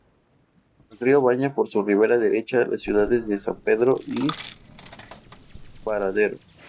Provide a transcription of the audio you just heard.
El río baña por su ribera derecha las ciudades de San Pedro y Baradero.